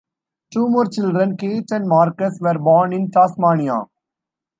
Two more children, Kate and Marcus, were born in Tasmania.